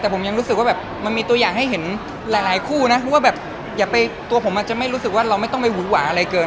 แต่ผมยังรู้สึกว่าแบบมันมีตัวอย่างให้เห็นหลายคู่นะว่าแบบอย่าไปตัวผมอาจจะไม่รู้สึกว่าเราไม่ต้องไปหุ่นหวาอะไรเกิน